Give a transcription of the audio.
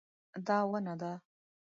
دا ونه ده